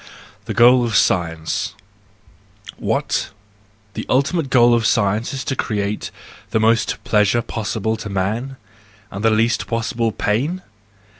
The Goal of Science .—What ? The ultimate goal of science is to create the most pleasure possible to man, and the least possible pain?